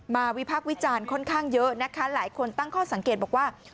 วิพักษ์วิจารณ์ค่อนข้างเยอะนะคะหลายคนตั้งข้อสังเกตบอกว่า